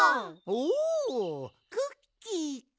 おおクッキーか。